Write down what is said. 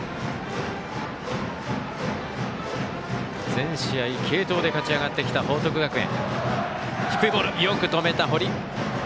全試合継投で勝ち上がってきた報徳学園。